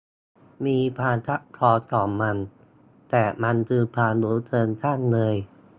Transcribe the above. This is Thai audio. มีความซับซ้อนของมัน แต่มันคือความรู้เชิงช่างเลย